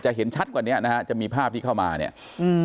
เห็นชัดกว่าเนี้ยนะฮะจะมีภาพที่เข้ามาเนี่ยอืม